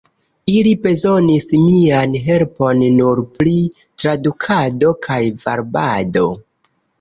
Ili bezonis mian helpon nur pri tradukado kaj varbado.